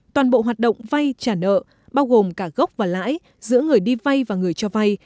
toàn bộ hoạt động vay trả nợ bao gồm cả gốc và lãi giữa người đi vay và người cho vay